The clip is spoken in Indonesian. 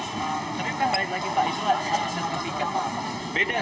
tapi kan balik lagi pak itu ada sertifikat pak